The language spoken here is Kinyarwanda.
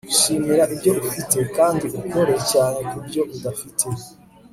shimira ibyo ufite, kandi ukore cyane kubyo udafite